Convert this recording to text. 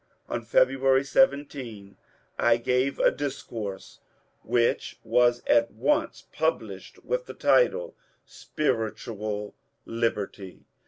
On February 17 I gave a discourse which was at once pub lished with the title ^^ Spiritual Liberty."